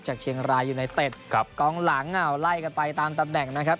จากเชียงรายยูไนเต็ดครับกองหลังไล่กันไปตามตำแหน่งนะครับ